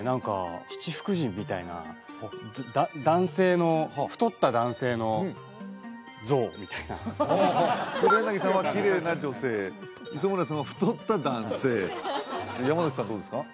七福神みたいな男性の太った男性の像みたいな黒柳さんはきれいな女性磯村さんは太った男性山之内さんはどうですか？